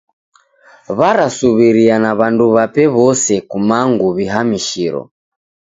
Warasuw'iria na w'andu w'ape w'ose kumangu w'ihamishiro.